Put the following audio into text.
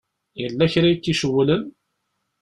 Yella kra i k-icewwlen?